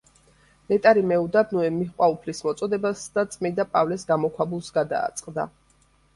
ნეტარი მეუდაბნოე მიჰყვა უფლის მოწოდებას და წმიდა პავლეს გამოქვაბულს გადააწყდა.